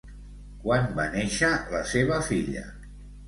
Quan va néixer la seva filla?